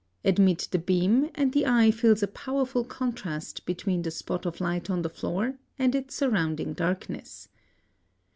Admit the beam, and the eye feels a powerful contrast between the spot of light on the floor and its surrounding darkness.